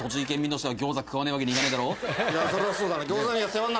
そりゃそうだな。